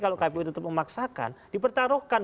kalau kpu tetap memaksakan dipertaruhkan